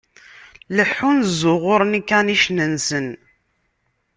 Leḥḥun, ẓẓuɣuṛen ikanicen-nsen.